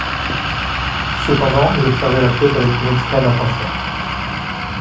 Cependant, il observait la côte avec une extrême attention